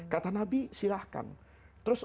kata nabi silahkan terus